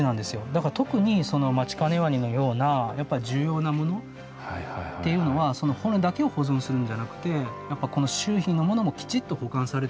だから特にそのマチカネワニのようなやっぱ重要なものっていうのはその骨だけを保存するんじゃなくてこの周囲のものもきちっと保管されてた。